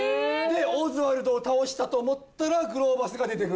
でオズワルドを倒したと思ったらグローバスが出てくる。